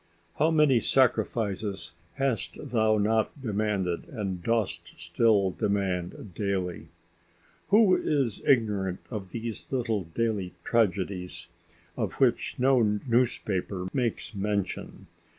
How many sacrifices hast thou not demanded and dost still demand daily! Who is ignorant of these little daily tragedies of which no newspaper makes mention!